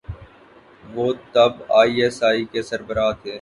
وہ تب I S I کے سربراہ تھے۔